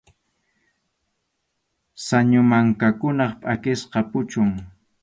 Sañu mankakunap pʼakisqa puchun.